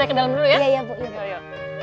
udah saya ke dalam dulu ya